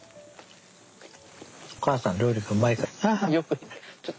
お母さんの料理がうまいからだよ。